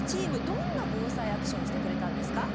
どんな「ＢＯＳＡＩアクション」してくれたんですか？